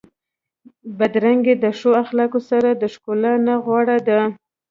بدرنګي د ښو اخلاقو سره د ښکلا نه غوره ده.